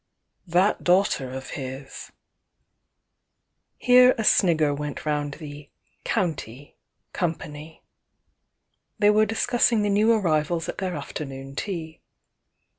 "That daughter of his " Here a snigger went round the "county" company They were discussing the new arrivals at their af ternoon tea.